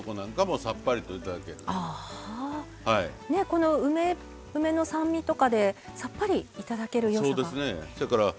この梅の酸味とかでさっぱりいただけるよさが。